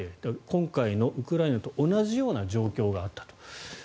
今回のウクライナと同じような状況があったと。